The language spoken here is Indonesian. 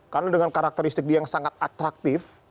karena dengan karakteristik dia yang sangat atraktif